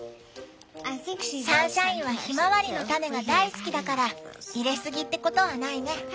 サンシャインはひまわりの種が大好きだから入れすぎってことはないね。